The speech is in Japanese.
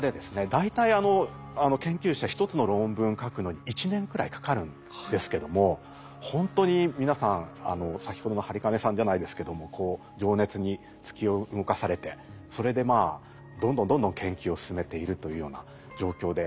大体研究者１つの論文書くのに１年くらいかかるんですけどもほんとに皆さん先ほどの播金さんじゃないですけどもこう情熱に突き動かされてそれでまあどんどんどんどん研究を進めているというような状況で。